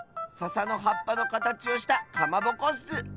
ささのはっぱのかたちをしたかまぼこッス。